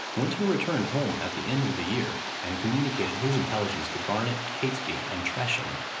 Winter returned home at the end of the year, and communicated his intelligence to Garnet, Catesby, and Tresham.